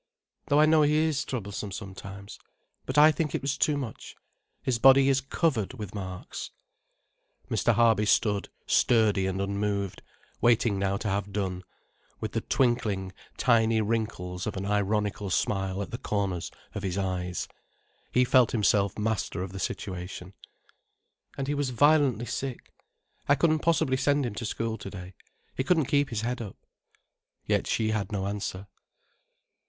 "Though I know he is troublesome sometimes—but I think it was too much. His body is covered with marks." Mr. Harby stood sturdy and unmoved, waiting now to have done, with the twinkling, tiny wrinkles of an ironical smile at the corners of his eyes. He felt himself master of the situation. "And he was violently sick. I couldn't possibly send him to school to day. He couldn't keep his head up." Yet she had no answer.